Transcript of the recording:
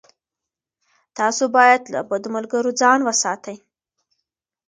تاسو باید له بدو ملګرو ځان وساتئ.